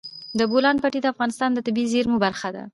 د بولان پټي د افغانستان د طبیعي زیرمو برخه ده.